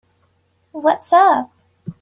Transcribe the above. What's up?